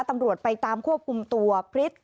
ตำรวจไปตามควบคุมตัวพริษ